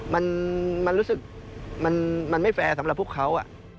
มันรู้สึกมันไม่แฟร์สำหรับพวกเขา